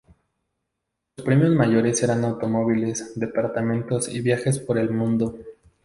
Los premios mayores eran automóviles, departamentos y viajes por el mundo.